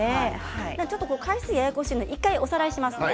回数がややこしいので１回おさらいしますね。